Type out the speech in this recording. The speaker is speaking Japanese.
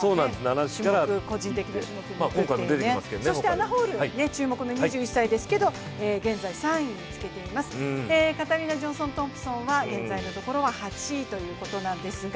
アナ・ホール、注目の２１歳ですけれども、現在３位につけています、カタリナ・ジョンソン・トンプソンは現在のところ８位なんですが。